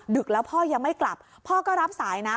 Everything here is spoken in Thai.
แล้วพ่อยังไม่กลับพ่อก็รับสายนะ